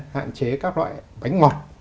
hạn chế các loại bánh ngọt